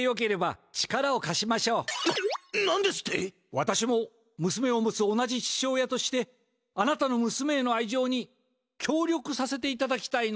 わたしもむすめを持つ同じ父親としてあなたのむすめへのあいじょうにきょうりょくさせていただきたいのです。